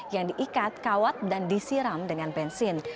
yang diikat kawat dan disiram dengan bensin